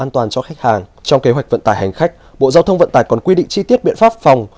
trong kế hoạch vận tải hành khách bộ giao thông vận tải còn quy định chi tiết biện pháp phòng